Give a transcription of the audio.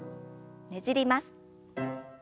ねじります。